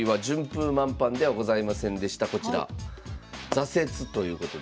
挫折ということで。